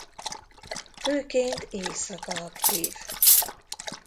Főként éjszaka aktív.